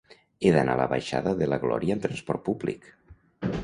He d'anar a la baixada de la Glòria amb trasport públic.